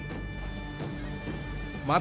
matahari sudah merangkat naik ketika matahari